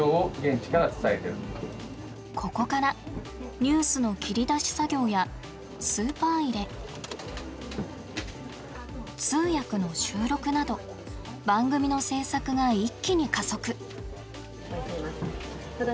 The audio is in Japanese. ここからニュースの切り出し作業やスーパー入れ通訳の収録など番組の制作が一気に加速。